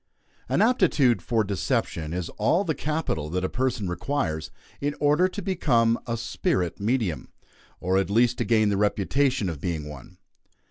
An aptitude for deception is all the capital that a person requires in order to become a "spirit medium;" or, at least, to gain the reputation of being one.